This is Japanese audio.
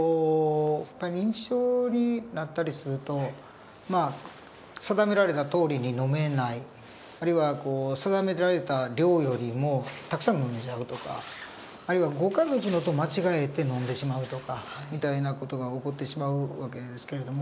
やっぱり認知症になったりすると定められたとおりに飲めないあるいは定められた量よりもたくさん飲んじゃうとかあるいはご家族のと間違えて飲んでしまうとかみたいな事が起こってしまう訳ですけれども。